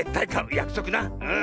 やくそくなうん。